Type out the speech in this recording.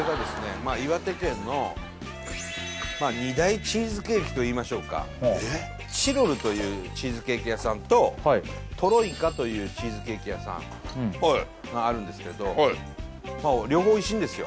まあ岩手県の２大チーズケーキといいましょうかチロルというチーズケーキ屋さんとトロイカというチーズケーキ屋さんはいがあるんですけど両方おいしいんですよ